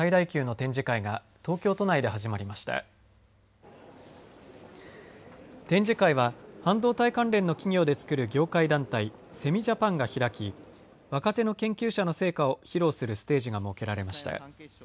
展示会は半導体関連の企業で作る業界団体、ＳＥＭＩジャパンが開き若手の研究者の成果を披露するステージが設けられました。